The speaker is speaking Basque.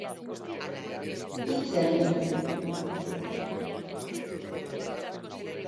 Merkataritza-ikasketak alde batera utzi eta pintatzen hasi zen.